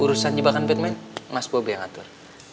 urusan jebakan batman mas bobi yang ngatur